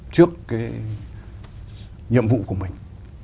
trước cái nhiệm vụ của mình